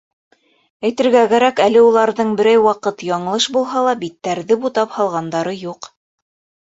Әйтергә кәрәк, әле уларҙың берәй ваҡыт яңылыш булһа ла биттәрҙе бутап һалғандары юҡ.